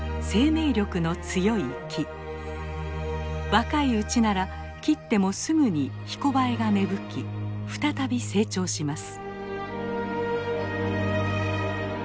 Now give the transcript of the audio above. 若いうちなら切ってもすぐにひこばえが芽吹き再び成長します。